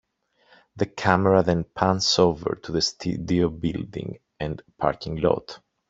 The camera then pans over to the studio building and parking lot.